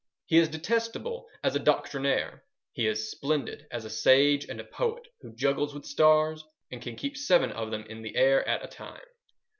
He is detestable as a doctrinaire: he is splendid as a sage and a poet who juggles with stars and can keep seven of them in the air at a time.